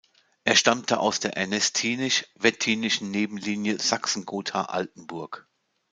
Er stammte aus der ernestinisch-wettinischen Nebenlinie Sachsen-Gotha-Altenburg.